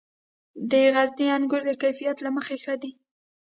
د غزني انګور د کیفیت له مخې ښه دي.